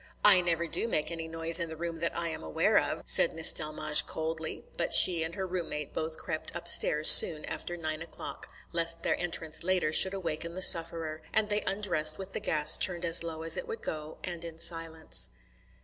"I never do make any noise in the room that I am aware of," said Miss Delmege coldly; but she and her room mate both crept upstairs soon after nine o'clock, lest their entrance later should awaken the sufferer, and they undressed with the gas turned as low as it would go, and in silence.